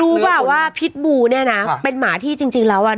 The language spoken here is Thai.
ป่ะว่าพิษบูเนี่ยนะเป็นหมาที่จริงแล้วอ่ะ